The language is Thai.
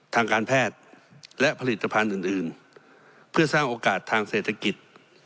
ทางการแพทย์และผลิตภัณฑ์อื่นอื่นเพื่อสร้างโอกาสทางเศรษฐกิจ